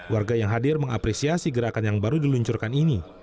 warga yang hadir mengapresiasi gerakan yang baru diluncurkan ini